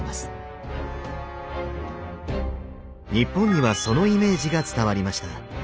日本にはそのイメージが伝わりました。